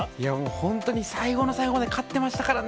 本当に最後の最後まで勝ってましたからね。